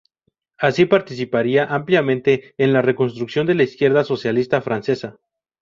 Así participaría ampliamente en la reconstrucción de la izquierda socialista francesa.